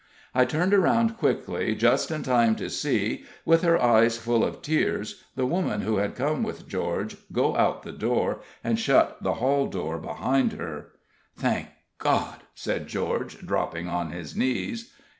I turned around quickly, just in time to see, with her eyes full of tears, the woman who had come with George go out the door and shut the hall door behind her. "Thank God!" said George, dropping on his knees.